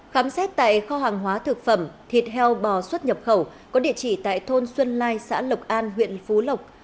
khám xét tại kho hàng hóa thực phẩm thịt heo bò xuất nhập khẩu có địa chỉ tại thôn xuân lai xã lộc an huyện phú lộc